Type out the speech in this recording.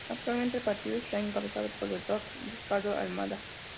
Actualmente, el partido está encabezado por el Dr. Ricardo Almada.